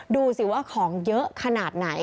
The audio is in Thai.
ดูสิว่าของเยอะขนาดไหน